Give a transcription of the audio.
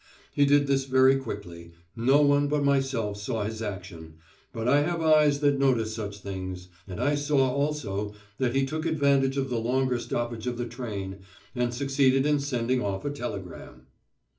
He did this very quickly; no one but myself saw his action, but I have eyes that notice such things. And I saw also that he took advantage of the longer stoppage of the train and succeeded in sending off a telegram.